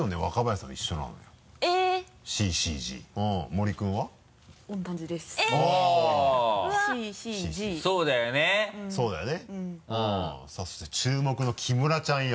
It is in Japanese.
さぁそして注目の木村ちゃんよ。